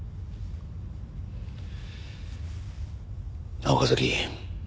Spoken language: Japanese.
なあ岡崎。